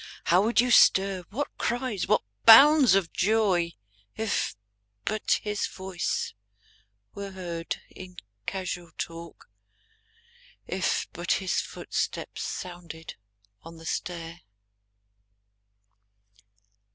How would you stir, what cries, what bounds of joy. If but his voice were heard in casual talk. If but his footstep sounded on the stair!